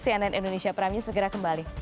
cnn indonesia prime news segera kembali